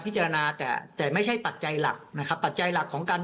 พิจารณาแต่แต่ไม่ใช่ปัจจัยหลักนะครับปัจจัยหลักของการ